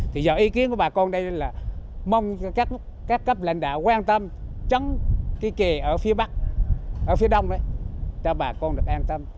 thì do ý kiến của bà con đây là mong các cấp lãnh đạo quan tâm trắng cái kè ở phía bắc ở phía đông đấy cho bà con được an tâm